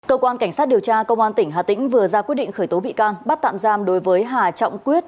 cơ quan cảnh sát điều tra công an tỉnh hà tĩnh vừa ra quyết định khởi tố bị can bắt tạm giam đối với hà trọng quyết